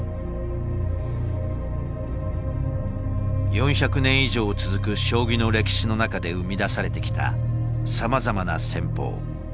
４００年以上続く将棋の歴史の中で生み出されてきたさまざまな戦法。